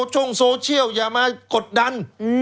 ช่องโซเชียลอย่ามากดดัน